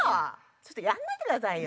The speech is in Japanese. ちょっとやんないで下さいよ。